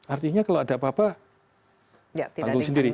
artinya kalau ada apa apa tanggung sendiri